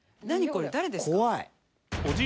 これ誰ですか？